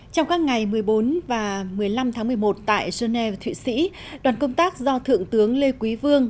trong các ngày một mươi bốn và một mươi năm tháng một mươi một tại geneva thụy sĩ đoàn công tác do thượng tướng lê quý vương